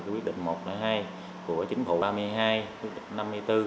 quyết định một hai của chính phủ